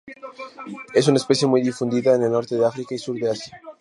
Es una especie muy difundida en el norte de África y sur de Asia.